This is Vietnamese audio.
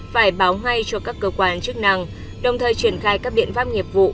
phải báo ngay cho các cơ quan chức năng đồng thời triển khai các biện pháp nghiệp vụ